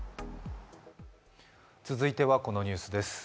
続いてはこのニュースです